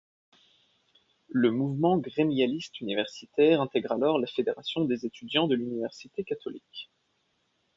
Le mouvement grémialiste universitaire intègre alors la Fédération des étudiants de l'Université catholique.